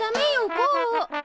こう！